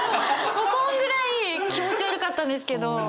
そんぐらい気持ち悪かったんですけど。